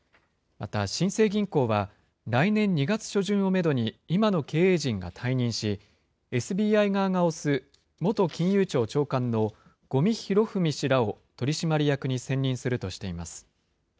また、新生銀行は、来年２月初旬をメドに今の経営陣が退任し、ＳＢＩ側が推す元金融庁長官の五味廣文氏らを取締役に選任するとしています。